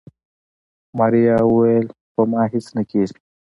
ماريا وويل په ما هيڅ نه کيږي.